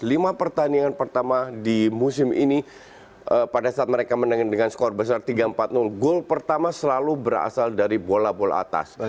lima pertandingan pertama di musim ini pada saat mereka menangin dengan skor besar tiga empat gol pertama selalu berasal dari bola bola atas